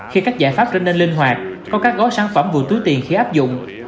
khi các giải pháp trở nên linh hoạt có các gói sản phẩm vừa túi tiền khi áp dụng